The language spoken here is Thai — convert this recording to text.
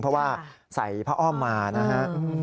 เพราะว่าใส่ผ้าอ้อมมานะฮะ